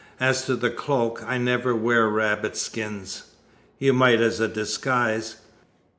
As to the cloak I never wear rabbit skins." "You might as a disguise."